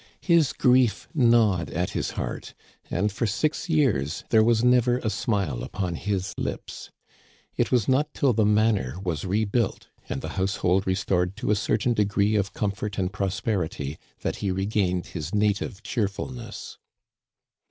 His grief gnawed at his heart, and for six years there was never a smile upon his lips. It was not till the manor was re built and the household restored to a certain degree of comfort and prosperity that he regained his native cheerfulness.